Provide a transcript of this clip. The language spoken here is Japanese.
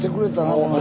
この人。